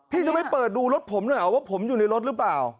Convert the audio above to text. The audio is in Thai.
พี่จะไม่เปิดดูรถผมหน่อยเหรอว่าผมอยู่ในรถหรือเปล่า